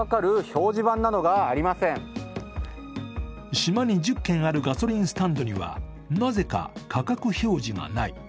島に１０軒あるガソリンスタンドには、なぜか価格表示がない。